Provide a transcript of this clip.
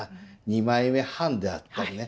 二枚目半であったりね